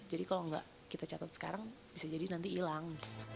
jadi kalau gak kita catat sekarang bisa jadi nanti hilang